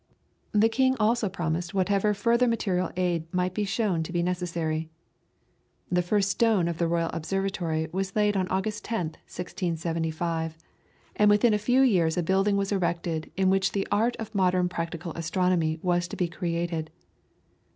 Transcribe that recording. The king also promised whatever further material aid might be shown to be necessary. The first stone of the Royal Observatory was laid on August 10th, 1675, and within a few years a building was erected in which the art of modern practical astronomy was to be created.